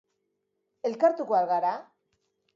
Elkartuko al gara?